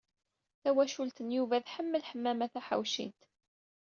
Tawacult n Yuba tḥemmel Ḥemmama Taḥawcint.